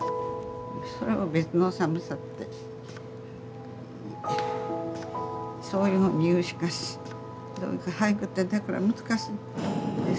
それは別の寒さってそういうふうに言うしか俳句ってだから難しいんです。